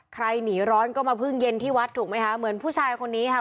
ใครหนีร้อนก็มาพึ่งเย็นที่วัดถูกไหมคะเหมือนผู้ชายคนนี้ค่ะ